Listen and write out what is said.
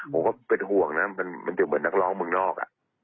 ผมก็เป็นห่วงนะมันจะเหมือนนักร้องเมืองนอก